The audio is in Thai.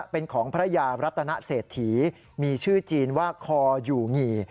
เป็นของพระยารัตนเศรษฐีมีชื่อจีนว่าคออยู่หงี่